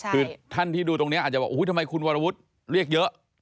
คือท่านที่ดูตรงนี้อาจจะบอกทำไมคุณวรวุฒิเรียกเยอะ